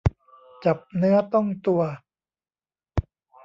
จับเนื้อต้องตัว